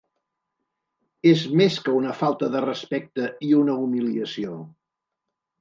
És més que una falta de respecte i una humiliació.